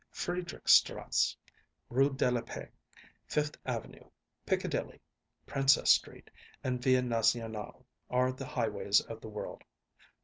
Friedrichstrasse, Rue de la Paix, Fifth Avenue, Piccadilly, Princess Street and Via Nazionale are the highways of the world.